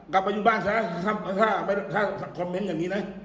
กลับมาอยู่บ้านสำหรับคราชาไปมีคอมเม้นต์อย่างนี้นะ